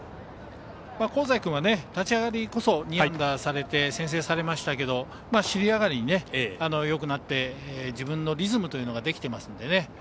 香西君は立ち上がりこそ２安打されて先制されましたけど尻上がりによくなって自分のリズムというのができてますのでね。